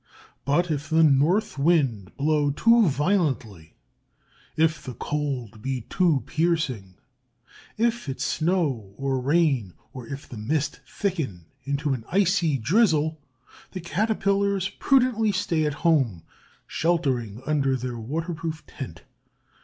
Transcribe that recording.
But if the north wind blow too violently, if the cold be too piercing, if it snow, or rain, or if the mist thicken into an icy drizzle, the Caterpillars prudently stay at home, sheltering under their waterproof tent.